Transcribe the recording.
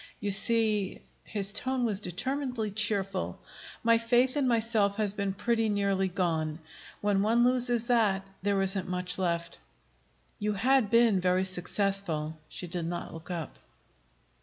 You see," his tone was determinedly cheerful, "my faith in myself has been pretty nearly gone. When one loses that, there isn't much left." "You had been very successful." She did not look up.